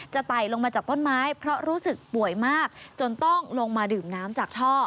ไต่ลงมาจากต้นไม้เพราะรู้สึกป่วยมากจนต้องลงมาดื่มน้ำจากท่อ